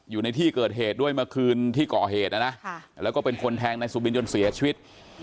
อยู่ในที่เกิดเหตุด้วยเมื่อคืนที่ก่อเหตุนะนะแล้วก็เป็นคนแทงนายสุบินจนเสียชีวิต